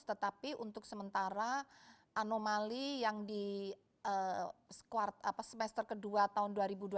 tetapi untuk sementara anomali yang di semester kedua tahun dua ribu dua puluh